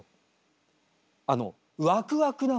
あのワクワクなのよ。